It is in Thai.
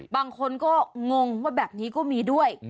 บางคนก็งงว่าแบบนี้ก็มีด้วย